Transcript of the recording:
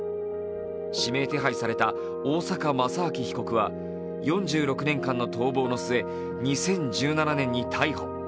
指名手配された大坂正明被告は４６年間の逃亡の末２０１７年に逮捕。